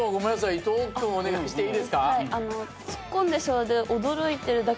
伊藤君お願いしていいですか？